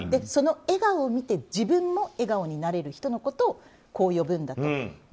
その笑顔を見て自分も笑顔になれる人のことをこう呼ぶんだと。